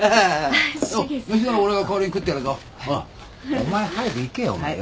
お前早く行けよ。